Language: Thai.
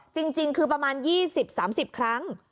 จริงคือประมาณ๒๐๓๐ครั้ง